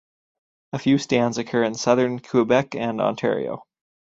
A few stands occur in southern Quebec and Ontario.